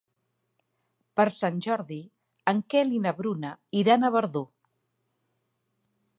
Per Sant Jordi en Quel i na Bruna iran a Verdú.